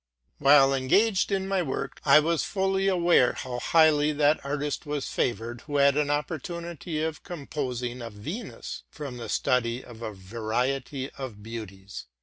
While engaged in my work, I was fully aware how highly that artist was favored who had an opportunity of compos ing a Venus from the study of a variety of beauties.